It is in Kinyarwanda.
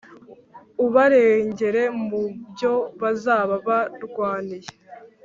ubarengere mu byo bazaba barwaniye